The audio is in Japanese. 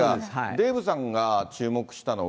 デーブさんが注目したのが。